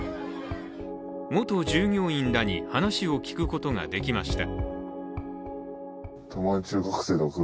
元従業員らに話を聞くことが出来ました。